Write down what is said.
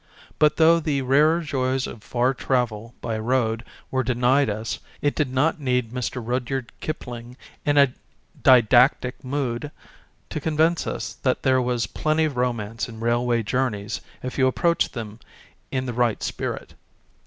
But though the rarer joys of far travel by road were denied us, it did not need Mr. Rudyard Kipling in a didactic mood to convince us that there was plenty of romance in railway journeys if you approached them in the right spirit.